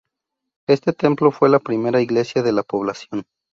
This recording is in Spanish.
Este templo fue la primera iglesia de la población.